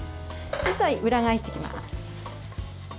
裏返していきます。